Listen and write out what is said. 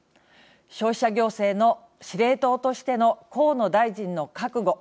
消費者行政の司令塔としての河野大臣の覚悟。